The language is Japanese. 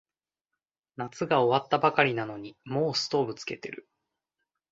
夏が終わったばかりなのにもうストーブつけてる